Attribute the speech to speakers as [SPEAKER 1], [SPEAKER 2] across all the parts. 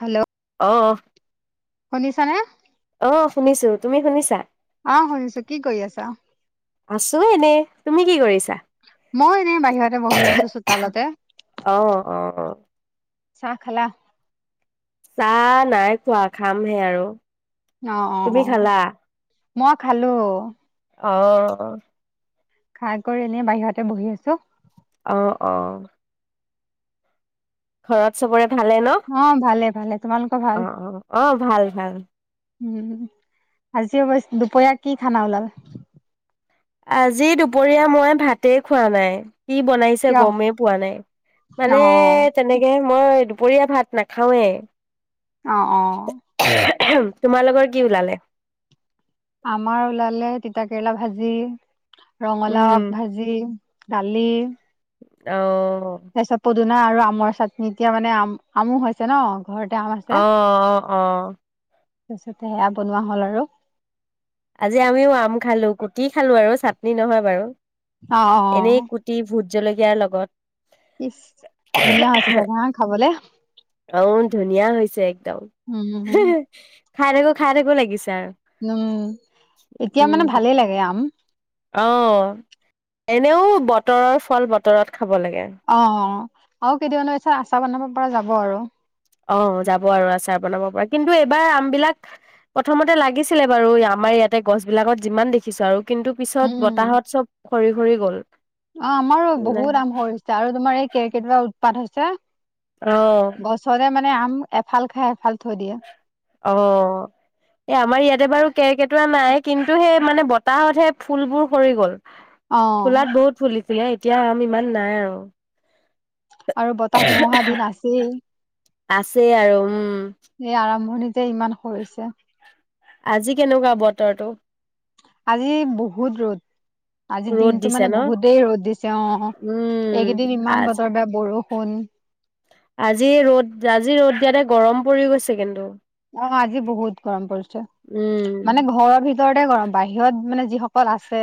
[SPEAKER 1] Hello.
[SPEAKER 2] অহ।
[SPEAKER 1] শুনিছানে?
[SPEAKER 2] অ', শুনিছোঁ, তুমি শুনিছা?
[SPEAKER 1] অ', শুনিছোঁ, কি কৰি আছা?
[SPEAKER 2] আছোঁ এনে, তুমি কি কৰিছা?
[SPEAKER 1] মই এনেই বাহিৰতে বহি আছোঁ চোতালতে।
[SPEAKER 2] অ', অ',
[SPEAKER 1] চাহ খালা?
[SPEAKER 2] চাহ নাই খোৱা খামহে আৰু।
[SPEAKER 1] অ', অ',
[SPEAKER 2] তুমি
[SPEAKER 1] অ',
[SPEAKER 2] খালা?
[SPEAKER 1] মই খালোঁ।
[SPEAKER 2] অ'।
[SPEAKER 1] খাই কৰি এনে বাহিৰতে বহি আছোঁ।
[SPEAKER 2] অ', অ'। ঘৰত চবৰে ভালে ন?
[SPEAKER 1] অ ভালে ভালে তোমালোকৰ ভাল?
[SPEAKER 2] অ' অ' অ' ভাল ভাল।
[SPEAKER 1] উম, আজি অ' দুপৰীয়া কি খানা ওলাল।
[SPEAKER 2] আজি দুপৰীয়া মই ভাতেই খোৱা নাই কি বনাইছো। পছে
[SPEAKER 1] কিয়?
[SPEAKER 2] গমেই পোৱা নাই
[SPEAKER 1] অ
[SPEAKER 2] মানে তেনেকে মই দুপৰীয়া ভাত নাখাওঁৱে।
[SPEAKER 1] অ', অ'।
[SPEAKER 2] তোমালোকৰ কি ওলালে?
[SPEAKER 1] আমাৰ ওলালে তিতা কেৰেলা ভাজি
[SPEAKER 2] উম,
[SPEAKER 1] ৰঙালাও আগ ভাজি। দালি।
[SPEAKER 2] অ'।
[SPEAKER 1] তাৰ পিছত পদুনা আৰু আমৰ চাটনি এতিয়া মানে আম আমো হৈছে ন। ঘৰতে আম আছে
[SPEAKER 2] অ', অ', অ'।
[SPEAKER 1] তাৰপিছতে সেয়া বনোৱা হ'ল আৰু।
[SPEAKER 2] আজি আমিও আম খালো কুটি খালো আৰু চাটনি নহয় বাৰু
[SPEAKER 1] অ অ অ
[SPEAKER 2] এনেই কু ভূত জলকীয়া লগত।
[SPEAKER 1] ইচ ধুনীয়া হৈছে চাগে ন খাবলে।
[SPEAKER 2] অ', ধুনীয়া হৈছে একদম
[SPEAKER 1] উম উম
[SPEAKER 2] খাই থাকো খাই থাকো লাগিছে আৰু।
[SPEAKER 1] উম, এতিয়া মানে ভালেই
[SPEAKER 2] উম
[SPEAKER 1] লাগে আম।
[SPEAKER 2] অ', এনেও বতৰৰ ফল বতৰত খাব লাগে।
[SPEAKER 1] অ', আৰু কেইদিনমানৰ পিছত আচাৰ বনাব যাব আৰু।
[SPEAKER 2] অ', যাব আৰু আচাৰ বনাব পৰা কিন্তু এইবাৰ আমবিলাক প্ৰথমতে লাগিছিলে বাৰু আমাৰ ইয়াতে গছবিলাকত যিমান দেখিছো আৰু। কিন্তু
[SPEAKER 1] উম
[SPEAKER 2] পিছত
[SPEAKER 1] উম
[SPEAKER 2] বতাহত চব সৰি সৰি গ'ল।
[SPEAKER 1] অ' আমাৰো বহুত আম সৰিছে আৰু তোমাৰ এই কেৰ্কেটোৱা উৎপাত হৈছে।
[SPEAKER 2] অ'।
[SPEAKER 1] গছতে মানে আম এফাল খাই এফাল থৈ দিয়ে।
[SPEAKER 2] অ'। এ, আমাৰ ইয়াতে বাৰু কাৰ্কেটোৱা নাই কিন্তু সেই মানে বতাহতহে ফুলবোৰ সৰি গ'ল।
[SPEAKER 1] অ
[SPEAKER 2] ফুলাত বহুত ফুলিছিলে, এতিয়া আম ইমান নাই আৰু।
[SPEAKER 1] আৰু বতাহ ধুমুহা দিন আছেই।
[SPEAKER 2] আছেই আৰু উম।
[SPEAKER 1] এই আৰম্ভণিতে ইমান সৰিছে।
[SPEAKER 2] আজি কেনেকুৱা বতৰটো?
[SPEAKER 1] আজি বহুত ৰ'দ। আজি
[SPEAKER 2] ৰ'দ
[SPEAKER 1] দিনটো
[SPEAKER 2] দিছে
[SPEAKER 1] মানে
[SPEAKER 2] ন?
[SPEAKER 1] বহুতেই ৰ'দ দিছে অ' এইকেইদিন
[SPEAKER 2] উম
[SPEAKER 1] ইমান
[SPEAKER 2] আজ
[SPEAKER 1] বতৰ বেয়া ব ষুণ।
[SPEAKER 2] আজি ৰ'দ, আজি ৰ'দ দিয়াতে গৰম পৰি গৈছে কিন্তু।
[SPEAKER 1] অ' আজি বহুত গৰম পৰিছে
[SPEAKER 2] উম
[SPEAKER 1] মানে ঘৰৰ ভিতৰ তৰতে গৰম, বাহিৰত মানে যিসকল আছে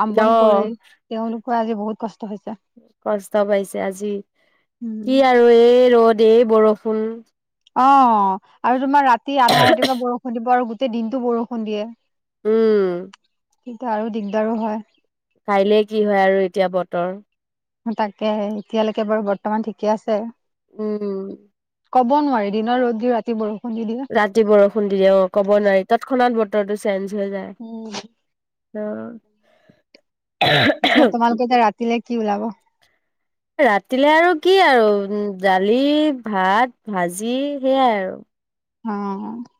[SPEAKER 1] কাম বন
[SPEAKER 2] অহ
[SPEAKER 1] কৰি তেওঁলোকৰ আজি বহুত কষ্ট হৈছে।
[SPEAKER 2] কষ্ট পাইছে আজি,
[SPEAKER 1] উম
[SPEAKER 2] কি আৰু এই ৰ'দ, এই বৰষুণ।
[SPEAKER 1] অ' আৰু তোমাৰ ৰাতি আধা ৰাতিৰপা বৰষুণ দিব আৰু গোটেই দিনটো বৰষুণ দিয়ে।
[SPEAKER 2] উম।
[SPEAKER 1] তেতিয়া আৰু দিগদাৰো হয়।
[SPEAKER 2] কাইলে কি হয় আৰু এতিয়া বতৰ।
[SPEAKER 1] তাকে, এতিয়ালৈকে বাৰু বৰ্তমান ঠিকে আছে।
[SPEAKER 2] উম।
[SPEAKER 1] ক'ব নোৱাৰি দিনৰ ৰ'দ দি ৰাতি বৰ
[SPEAKER 2] ৰাতি বৰষুণ দি দিয়ে অ' ক'ব নোৱাৰি, তৎক্ষণাত বতৰটো চেঞ্জ হৈ যায়।
[SPEAKER 1] উম
[SPEAKER 2] অ'।
[SPEAKER 1] পিছে তোমালোকে এতিয়া ৰাতিলে কি ওলাব?
[SPEAKER 2] ৰাতিলে আৰু কি আৰু উ, দালি, ভাত, ভাজি সেয়াই আৰু।
[SPEAKER 1] অ'।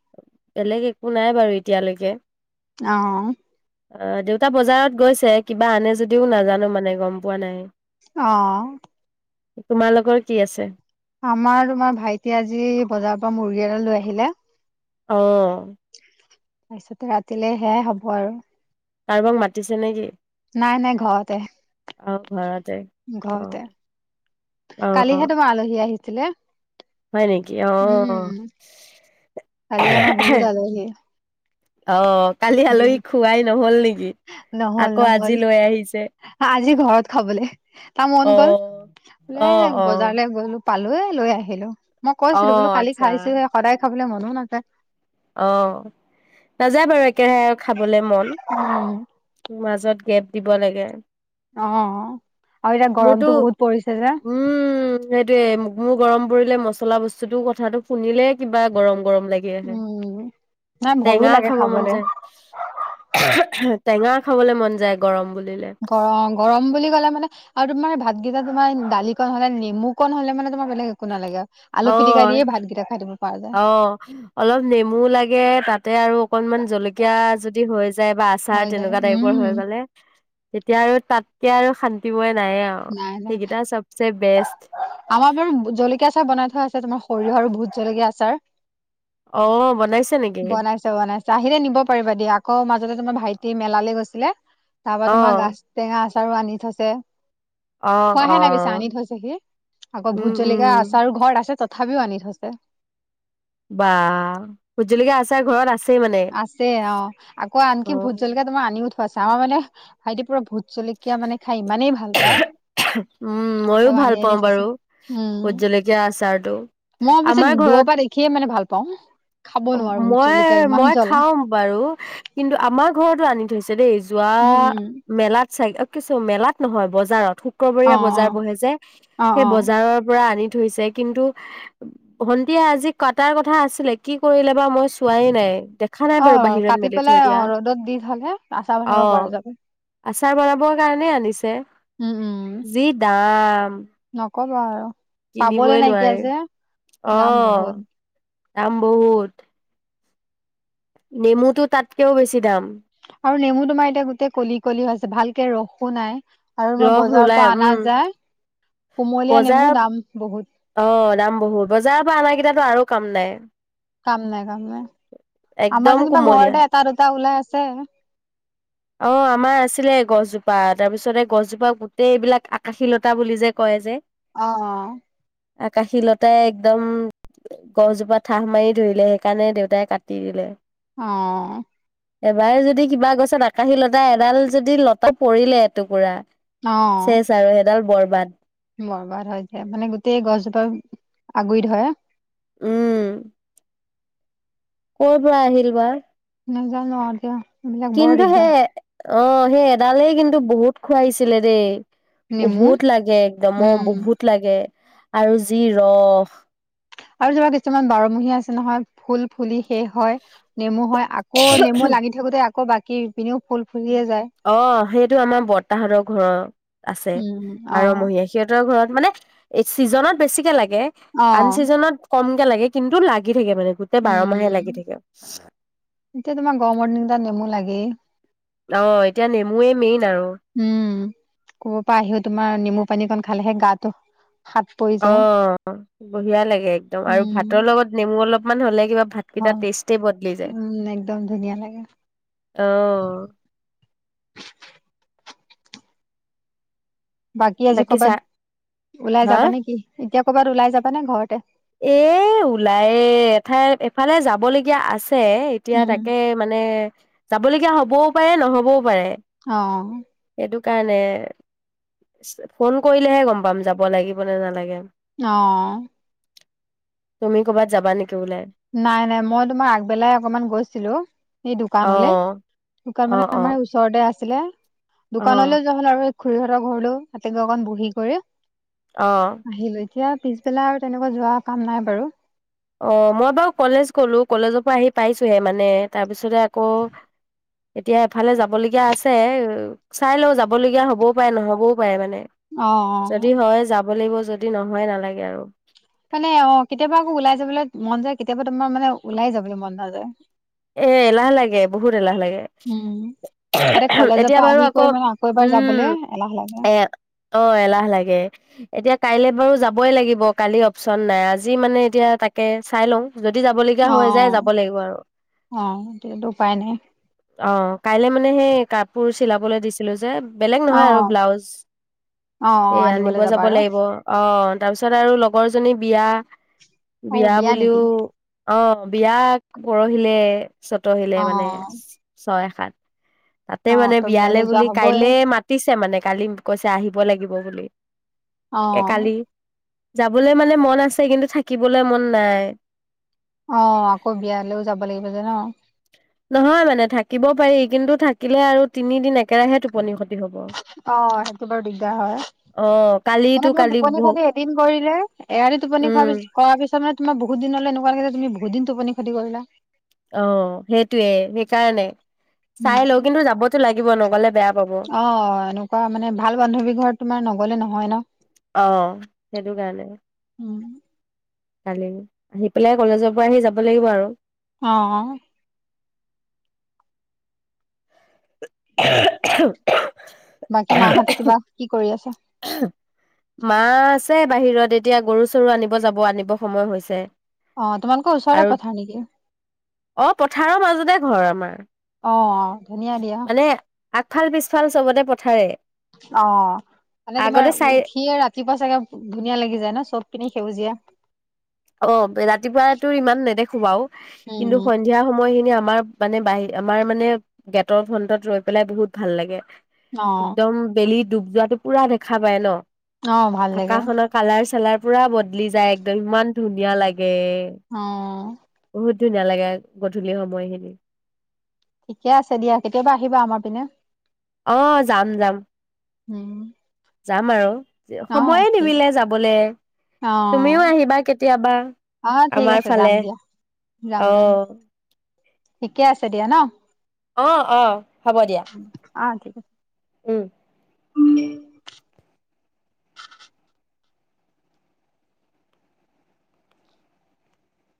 [SPEAKER 2] বেলেগ একো নাই বাৰু এতিয়ালৈকে।
[SPEAKER 1] অ'।
[SPEAKER 2] অ' দেউতা বজাৰত গৈছে, কিবা আনে যদিও নাজানো মানে গম পোৱা নাই।
[SPEAKER 1] অ'।
[SPEAKER 2] তোমালোকৰ কি আছে?
[SPEAKER 1] আমাৰ তোমাৰ ভাইটিয়ে আজি বজাৰৰ পৰা মুৰ্গী এটা লৈ আহিলে।
[SPEAKER 2] অ'।
[SPEAKER 1] তাৰপিছতে ৰাতিলে সেয়াই হ'ব আৰু।
[SPEAKER 2] কাৰোবাক মাতিছে নেকি?
[SPEAKER 1] নাই নাই, ঘৰতে।
[SPEAKER 2] অ ঘৰতে। অ
[SPEAKER 1] ঘৰতে।
[SPEAKER 2] অ
[SPEAKER 1] কালিহে তোমাৰ আলহী আহিছিলে।
[SPEAKER 2] হয় নেকি অ।
[SPEAKER 1] উম, কালি আমাৰ বহুত আলহী।
[SPEAKER 2] অ কালি আলহীক খোৱাই নহল নেকি
[SPEAKER 1] নহ'ল
[SPEAKER 2] আকৌ আজি
[SPEAKER 1] নহ'ল
[SPEAKER 2] লৈ আহিছে।
[SPEAKER 1] আজি ঘৰত খাবলৈ তাৰ
[SPEAKER 2] অ
[SPEAKER 1] মন গ'ল,
[SPEAKER 2] অ
[SPEAKER 1] বোলে
[SPEAKER 2] অ
[SPEAKER 1] বজাৰলৈ গলো। পালো এ লৈ আহিলো মই
[SPEAKER 2] অ
[SPEAKER 1] কৈছিলো বোলো কালি
[SPEAKER 2] আচ্ছা
[SPEAKER 1] খাইছোহে সদায় খাবলৈ মনো নাযায়।
[SPEAKER 2] অ নাযায় বাৰু একেৰাহে খাবলে মন। মাজত গেপ দিব লাগে।
[SPEAKER 1] অ আৰু এতিয়া
[SPEAKER 2] মোৰতো
[SPEAKER 1] গৰমতটো বহুত পৰিছে যে।
[SPEAKER 2] উম, সেইটোয়ে ম মোৰ গৰম পৰিলে মচলা বস্তুতটো কথাটো শুনিলে কিবা গৰম গৰম লাগি আহে।
[SPEAKER 1] উম, নাই ভয়ো
[SPEAKER 2] টেঙা
[SPEAKER 1] লাগে
[SPEAKER 2] খাব মন
[SPEAKER 1] খাবলে
[SPEAKER 2] যায় টেঙা খাবলে মন যায় গৰম বুলিলে।
[SPEAKER 1] গৰং গৰম বুলি ক'লে মানে আৰু তোমাৰ ভাতকেইটা তোমাৰ দালিকণ হলে নেমু কণ হলে মানে তোমাৰ বেলেগ একো, একো নালাগে আলু পিটিকা
[SPEAKER 2] অ',
[SPEAKER 1] দিয়ে ভাতকেইটা খাই দিম।
[SPEAKER 2] অ অলপ নেমু লাগে তাতে আৰু জলকীয়া যদি হৈ যায় বা আচাৰ
[SPEAKER 1] হৈ যায়
[SPEAKER 2] তেনেকুৱা টাইপ। পৰ
[SPEAKER 1] উম,
[SPEAKER 2] হৈ গলে, তেতিয়া আৰু তাতকে আৰু শান্তিময় নাই আৰু
[SPEAKER 1] নাই নাই।
[SPEAKER 2] সেইকেইটা চবচে বেষ্ট।
[SPEAKER 1] আমাৰ বাৰু জলকীয়া আচাৰ বনাই থোৱা আছে তোমাৰ সৰিয়হ আৰু ভুট জলকীয়া আচাৰ।
[SPEAKER 2] অ বনাইছে নেকি?
[SPEAKER 1] বনাইছে আহিলে নিব পাৰিবা দিয়া আকৌ মাজতে তোমাৰ ভাইটি মেলালৈ গৈছিলে তাৰ পৰা তোমাৰ গাছ,
[SPEAKER 2] অ',
[SPEAKER 1] টেঙা আচাৰো আনি থৈছে।
[SPEAKER 2] অ',
[SPEAKER 1] খোৱাহে না
[SPEAKER 2] অ'।
[SPEAKER 1] পিছে আনি থৈছে সি আকৌ
[SPEAKER 2] উম,
[SPEAKER 1] ভুত
[SPEAKER 2] উম,
[SPEAKER 1] আচাৰো ঘৰত আছে তথাপিও আনি থৈছে।
[SPEAKER 2] বা ভুত জলকিয়াৰ আচাৰ ঘৰত আছে।
[SPEAKER 1] আছে অ আকৌ আনকি ভুত জলকীয়া তোমাৰ আনিও ঠোৱা আছে আমাৰ মানে ভাইটি পুৰা ভুত, জলকীয়া মানে খাই ইমানেই ভাল পায়,
[SPEAKER 2] উম ময়ো
[SPEAKER 1] চব
[SPEAKER 2] ভাল
[SPEAKER 1] আনি আনি
[SPEAKER 2] পাওঁ
[SPEAKER 1] থৈছে
[SPEAKER 2] বাৰু।
[SPEAKER 1] উম
[SPEAKER 2] ভুত জলকীয়া আচাৰতটো
[SPEAKER 1] মই পিছে
[SPEAKER 2] আমাৰ
[SPEAKER 1] দূৰৰ
[SPEAKER 2] ঘৰত,
[SPEAKER 1] পৰা দেখিয়ে মানে ভাল পাওঁ খাব
[SPEAKER 2] অ
[SPEAKER 1] নোৱাৰো ভোট
[SPEAKER 2] মই
[SPEAKER 1] জলকীয়া ইমান
[SPEAKER 2] মই,
[SPEAKER 1] জ্বলা
[SPEAKER 2] খাও বাৰু কিন্তু আমাৰ ঘৰতো আনি থৈছে দেই যোৱা,
[SPEAKER 1] উম উম
[SPEAKER 2] মেলাত চাই অ কিছু মেলাত নহয় বজাৰত।
[SPEAKER 1] অ
[SPEAKER 2] শুকুবৰীয়া
[SPEAKER 1] অ
[SPEAKER 2] বজাৰ বহে যে
[SPEAKER 1] অ
[SPEAKER 2] সেই
[SPEAKER 1] অ
[SPEAKER 2] বজাৰৰ পৰা আনি থৈছে। কিন্তু ভন্টিয়ে আজি কাটাৰ কথা আছিলে কি কৰিলে বা মই চোৱাই নাই। দেখা নাই
[SPEAKER 1] অ
[SPEAKER 2] বাৰু বাহিৰত
[SPEAKER 1] কাটি
[SPEAKER 2] মেলি থৈ
[SPEAKER 1] পেলাই অ
[SPEAKER 2] দিয়া
[SPEAKER 1] ৰ'দত দি থলে আচাৰ বনাব পৰা
[SPEAKER 2] অ',
[SPEAKER 1] যাব।
[SPEAKER 2] আচাৰ বনাবৰ কাৰণেই আনিছে।
[SPEAKER 1] উম উম
[SPEAKER 2] যি দাম।
[SPEAKER 1] নকবা আৰু, পাবলে
[SPEAKER 2] কিনিবই
[SPEAKER 1] নাইকিয়া
[SPEAKER 2] নোৱাৰে।
[SPEAKER 1] যে
[SPEAKER 2] অ
[SPEAKER 1] দাম বহুত
[SPEAKER 2] দাম বহুত। নেমুটো তাতকেও বেছি দাম।
[SPEAKER 1] আৰু নেমু তোমাৰ এতিয়া গোটেই কলি কলি হৈ আছে ভালকে ৰসো নাই। আৰু মই
[SPEAKER 2] ৰস
[SPEAKER 1] বজাৰৰ
[SPEAKER 2] নোলাই
[SPEAKER 1] পৰা
[SPEAKER 2] উম
[SPEAKER 1] অনা যায় কুমলীয়া নেমু
[SPEAKER 2] বজাৰত
[SPEAKER 1] দাম বহুত।
[SPEAKER 2] অ দাম বহুত। বজাৰৰ পৰা অনা কেইটাতো আৰু কাম নাই।
[SPEAKER 1] কাম নাই কাম নাই।
[SPEAKER 2] একদম
[SPEAKER 1] আমাৰ যেনিবা
[SPEAKER 2] কুমলীয়া
[SPEAKER 1] ঘৰতে এটা দুটা ওলাই আছে।
[SPEAKER 2] অ আমাৰ আছিলে গছজোপা তাৰপিছত এই গছজোপাক গোটেই এইবিলাক আকাশীলতা বুলি যে কয় যে
[SPEAKER 1] অ অ
[SPEAKER 2] আকাশী লতাই একদম গছজোপা ঠাঁহ মাৰি ধৰিলে সেইকাৰণে দেউতাই কাটি দিলে।
[SPEAKER 1] অ
[SPEAKER 2] এবাৰ যদি কিবা গছত আকাশী লতা এডাল যদি লতা পৰিলে এটুকুৰা
[SPEAKER 1] অ
[SPEAKER 2] চেচ আৰু সেইডাল বৰবাদ
[SPEAKER 1] বৰবাদ হৈ যায় মানে গোটেই গছজোপাক আগুৰি ধৰে।
[SPEAKER 2] উম ক'ৰ পৰা আহিল বা।
[SPEAKER 1] নাজানো আৰু দিয়া এইবিলাক বৰ
[SPEAKER 2] কিন্তু সেই
[SPEAKER 1] দিগদাৰ
[SPEAKER 2] অ সেই এডালেই কিন্তু বহুত খুৱাইছিলে দেই।
[SPEAKER 1] নেমু
[SPEAKER 2] বহুত লাগে একদমো অ
[SPEAKER 1] উম
[SPEAKER 2] বহুত লাগে আৰু যি ৰস
[SPEAKER 1] আৰু চাবা কিছুমান বাৰমহীয়া আছে নহয় ফুল ফুলি শেষ হয় নেমু হয় আক আকৌ নেমু লাগি থাকোতে আক বাকী পিনেও ফুল ফুল
[SPEAKER 2] অ সেইটো আমাৰ বৰতাহতৰ ঘৰৰ আছে
[SPEAKER 1] উম অ
[SPEAKER 2] বাৰমহীয়া সিহঁতৰ ঘৰত মানে ছিজনত বেছিকে লাগে
[SPEAKER 1] অ
[SPEAKER 2] আন ছিজনত কমকে লাগে কিন্তু লাগি থাকে মানে গোট
[SPEAKER 1] উম উম এতিয়া তোমাৰ গৰমৰ দিন কেতাত নেমু লাগেই
[SPEAKER 2] অ এতিয়া নেমুৱে মেইন আৰু।
[SPEAKER 1] উম কবা পা আহিও তোমাৰ নেমু পানীকণ খালেহে গাটো সাত পৰি
[SPEAKER 2] অ
[SPEAKER 1] যায়
[SPEAKER 2] বঢ়িয়া লাগে একদম আৰু ভাতৰ
[SPEAKER 1] উম
[SPEAKER 2] লগত নেমু অলপমান হ'লে কিবা ভাত গিতা
[SPEAKER 1] হয়
[SPEAKER 2] টেষ্টে বদলি যায়
[SPEAKER 1] উম একদম ধুনীয়া লাগে
[SPEAKER 2] অহ
[SPEAKER 1] বাকী আজি কবাত ওলাই
[SPEAKER 2] হা
[SPEAKER 1] যাবা নে কি এতিয়া ক'বাত ওলাই যাবানে ঘৰতে
[SPEAKER 2] এ ওলায়ে এঠাই এফালে যাব লগীয়া আছে। এতিয়া
[SPEAKER 1] উম উম
[SPEAKER 2] তাকে মানে যাবলগীয়া হবও পাৰে নহ'বও পাৰে।
[SPEAKER 1] অ অ
[SPEAKER 2] সেইটো কাৰণে ফোন কৰিলেহে গম পাম যাব লাগিব নে নালাগে।
[SPEAKER 1] অ
[SPEAKER 2] তুমি ক'বাত যাবা নেকি ওলাই।
[SPEAKER 1] নাই নাই মই তোমাৰ আগবেলাই অকমান গৈছিলো এই
[SPEAKER 2] অ
[SPEAKER 1] দোকানলে দোকান
[SPEAKER 2] অ
[SPEAKER 1] মানে
[SPEAKER 2] অ
[SPEAKER 1] আমাৰ ওচৰতে আছিলে
[SPEAKER 2] অ
[SPEAKER 1] দোকানলৈও যোৱা হল আৰু খুৰীহঁতৰ ঘৰলৈও তাতে গৈ অকণ বহি কৰি
[SPEAKER 2] অ
[SPEAKER 1] আহিলোঁ এতিয়া পিছবেলা আৰু তেনেকুৱা যোৱা কাম নাই বাৰু।
[SPEAKER 2] অ মই বাৰু কলেজ গলো কলেজৰ পৰা আহি পাইছোহে মানে তাৰপিছতে আকৌ এতিয়া এফালে যাবলগীয়া আছে। চাই লও যাবলগীয়া হ'বও পাৰে নহ'বও পাৰে মানে।
[SPEAKER 1] অ
[SPEAKER 2] যদি
[SPEAKER 1] অ
[SPEAKER 2] হয় যাব লাগিব যদি নহয় নালাগে আৰু।
[SPEAKER 1] মানে, অ' কেতিয়াবা আকৌ ওলাই যাবলে মন যায় কেতিয়াবা তোমাৰ মানে ওলাই যাবলে মন নাযায়।
[SPEAKER 2] এ এলাহ লাগে বহুত এলাহ লাগে।
[SPEAKER 1] উম তাতে কলেজৰ
[SPEAKER 2] এতিয়া
[SPEAKER 1] পৰা
[SPEAKER 2] বাৰু
[SPEAKER 1] আহি
[SPEAKER 2] আকৌ'
[SPEAKER 1] কৰি মানে এবাৰ যাবলৈ এলাহ লাগে
[SPEAKER 2] উম' এ- অ' এলাহ লাগে। এতিয়া কাইলে বাৰু যাবই লাগিব কালি অপচন নাই আজি মানে এতিয়া তাকে চাই লওঁ। যদি যাবলগীয়া
[SPEAKER 1] অ
[SPEAKER 2] হৈ যায় যাব লাগিব আৰু।
[SPEAKER 1] অ' এতিয়াতো উপায় নাই।
[SPEAKER 2] অ' কাইলৈ মানে সেই কাপোৰ চিলাবলৈ দি ছিলো যে বেলেগ
[SPEAKER 1] অ
[SPEAKER 2] নহয় আৰু
[SPEAKER 1] অ
[SPEAKER 2] ব্লাউজ,
[SPEAKER 1] অ অ
[SPEAKER 2] এই আনিব
[SPEAKER 1] আনিবলৈ যাবা
[SPEAKER 2] যাব
[SPEAKER 1] আৰু
[SPEAKER 2] লাগিব। অ' তাৰপিছত আৰু লগৰজনী বিয়া,
[SPEAKER 1] অ
[SPEAKER 2] বিয়া
[SPEAKER 1] নেকি
[SPEAKER 2] বুলিও- অ' বিয়া পৰহিলৈ ছতৈহিলৈ
[SPEAKER 1] অ
[SPEAKER 2] মানে। ছয় সাত, তাতে
[SPEAKER 1] অ
[SPEAKER 2] মানে
[SPEAKER 1] ত
[SPEAKER 2] বিয়ালে
[SPEAKER 1] বিয়ালৈ যোৱা
[SPEAKER 2] বুলি
[SPEAKER 1] হবই
[SPEAKER 2] কাইলে মা- মাতিছে মানে কালি কৈছে আহিব লাগিব বুলি
[SPEAKER 1] অ
[SPEAKER 2] এ কালি। যাবলৈ মানে মন আছে কিন্তু থাকিবলৈ মন নাই।
[SPEAKER 1] অ' আকৌ বিয়া লৈও যাব লাগিব ন'।
[SPEAKER 2] নহয় মানে থাকিব পাৰি কিন্তু থাকিলে আৰু তিনিদিন একেৰাহে টোপনি ক্ষতি। হব
[SPEAKER 1] অ' সেইটো বাৰু দিগদাৰ হয়।
[SPEAKER 2] অ' কালি
[SPEAKER 1] মানে তোমাৰ টোপনি ক্ষতি এদিন কৰিলে এৰাতিৰ টোপনি
[SPEAKER 2] উম
[SPEAKER 1] ক্ষতি কৰাৰ পিছত মানে- তোমাৰ বহুত দিনলৈ এনেকুৱা লাগে যে তুমি বহুদিন টোপনি ক্ষতি কৰিলা।
[SPEAKER 2] অ' সেইটোয়ে, সেইকাৰণে চাই লওঁ কিন্তু যাবতো লাগিব নগ'লে বেয়া পাব
[SPEAKER 1] অ' এনেকুৱা মানে ভাল বান্ধৱী ঘৰত তোমাৰ নগলে নহয় ন'।
[SPEAKER 2] উমঁ' সেইটো কাৰণে।
[SPEAKER 1] উমঁ'।
[SPEAKER 2] কালি, আহি পেলাই কলেজৰ পৰা আহি যাব লাগিব আৰু।
[SPEAKER 1] অঁ অঁ।
[SPEAKER 2] [unintelligible]
[SPEAKER 1] বাকী মাহঁতে কিবা কি কৰি আছে?
[SPEAKER 2] মা আছে বাহিৰত, এতিয়া গৰু চৰু আনিব যাব আনিব সময় হৈছে।
[SPEAKER 1] অহ' তোমাৰোক ওচৰতে
[SPEAKER 2] আৰু
[SPEAKER 1] পথাৰ নে কি?
[SPEAKER 2] অ' পথাৰৰ মাজতে ঘৰ আমাৰ
[SPEAKER 1] অ অ', ধুনীয়া দিয়া
[SPEAKER 2] মানে- আগফাল পিছফাল চবতে পথাৰে।
[SPEAKER 1] অঁ' মানে
[SPEAKER 2] আগতে
[SPEAKER 1] তোমাৰ
[SPEAKER 2] চাই
[SPEAKER 1] উঠিয়ে ৰাতি ৰাতিপুৱা চাগৈ ধুনীয়া লাগি যায় ন' চবপিনে সেউজীয়া।
[SPEAKER 2] অঁ' ৰাতিপুৱাই তো ইমান নেদেখো বাৰু
[SPEAKER 1] উম
[SPEAKER 2] কিন্তু স
[SPEAKER 1] উম।
[SPEAKER 2] সন্ধিয়া সময়খিনি আমাৰ মানে বাহি আমাৰ মানে গেটৰ ফ্ৰন্টত ৰৈ পেলাই বহুত ভাল লাগে।
[SPEAKER 1] অ
[SPEAKER 2] একদম বেলি ডুব যোৱাাতটো পুৰা দেখা পায় ন'
[SPEAKER 1] অ ভাল লাগে
[SPEAKER 2] আকাশখনত- কালাৰ চালাৰ পুৰা বদলি যায় একদম ইমান ধুনীয়া লাগে।
[SPEAKER 1] অঁ'।
[SPEAKER 2] বহুত ধুনীয়া লাগে গধূলি সময়খিনি।
[SPEAKER 1] ঠিকে আছে দিয়া। কেতিয়াবা আহিবা আমাৰ পিনে।
[SPEAKER 2] অ' যাম যাম।
[SPEAKER 1] উমঁ'।
[SPEAKER 2] যাম আৰু সময়ে
[SPEAKER 1] ঠিক
[SPEAKER 2] নিমিলে যাবলৈ।
[SPEAKER 1] অ
[SPEAKER 2] তুমিও আহিবা কেতিয়াবা
[SPEAKER 1] অ ঠিক
[SPEAKER 2] আমাৰ
[SPEAKER 1] আছে যাম
[SPEAKER 2] ফালে।
[SPEAKER 1] দিয়া যাম যাম।
[SPEAKER 2] অ',
[SPEAKER 1] ঠিকে আছে দিয়া ন'।
[SPEAKER 2] অঁ' অঁ' হ'ব দিয়া।
[SPEAKER 1] অ ঠিক আছে
[SPEAKER 2] উমঁ'।
[SPEAKER 1] [unintelligible]